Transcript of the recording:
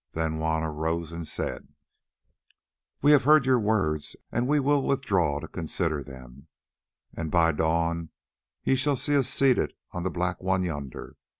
Then Juanna rose and said: "We have heard your words and we will withdraw to consider them, and by dawn ye shall see us seated on the Black One yonder.